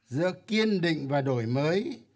giữa kiên định và đổi mới